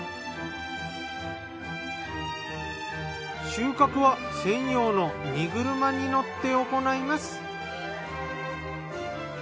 収穫は専用の荷車に乗って行います。